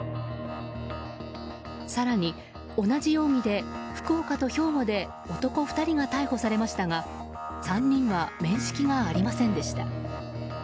更に同じ容疑で、福岡と兵庫で男２人が逮捕されましたが３人は面識がありませんでした。